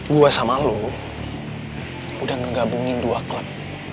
gue sama lo udah ngegabungin dua klub